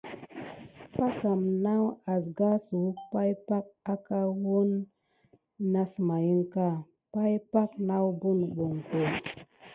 Packam naw asgassuwək pay pak aka wəne nasmaïska, pay pak nawbo nəɓoŋko.